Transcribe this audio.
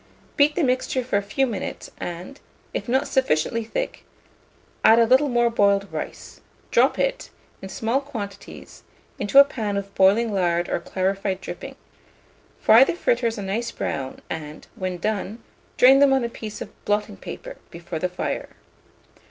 Beat the mixture for a few minutes, and, if not sufficiently thick, add a little more boiled rice; drop it, in small quantities, into a pan of boiling lard or clarified dripping; fry the fritters a nice brown, and, when done, drain them on a piece of blotting paper, before the fire.